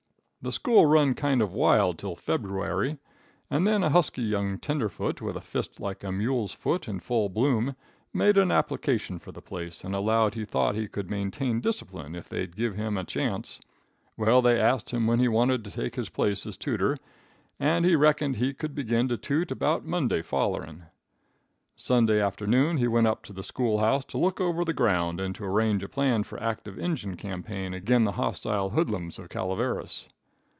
"The school run kind of wild till Feboowary, and then a husky young tenderfoot, with a fist like a mule's foot in full bloom, made an application for the place, and allowed he thought he could maintain discipline if they'd give him a chance. Well, they ast him when he wanted to take his place as tutor, and he reckoned he could begin to tute about Monday follering. "Sunday afternoon he went up to the school house to look over the ground, and to arrange a plan for an active Injin campaign agin the hostile hoodlums of Calaveras.